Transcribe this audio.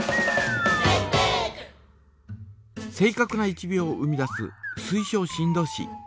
正かくな１秒を生み出す水晶振動子。